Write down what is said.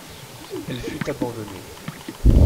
Elle fut abandonnée.